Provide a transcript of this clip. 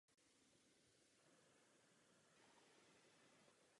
Nachází se na severozápadním pobřeží ostrova.